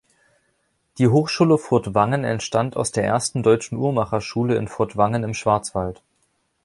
Die Hochschule Furtwangen entstand aus der ersten deutschen Uhrmacherschule in Furtwangen im Schwarzwald.